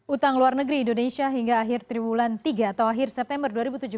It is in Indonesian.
utang luar negeri indonesia hingga akhir triwulan tiga atau akhir september dua ribu tujuh belas